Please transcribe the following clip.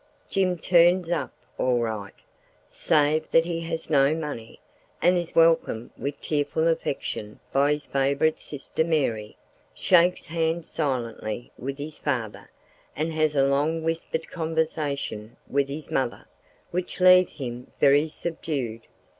Jim turns up all right—save that he has no money—and is welcomed with tearful affection by his favourite sister Mary, shakes hands silently with his father, and has a long whispered conversation with his mother, which leaves him very subdued.